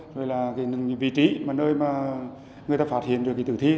rồi là vị trí nơi người ta phát hiện tử thi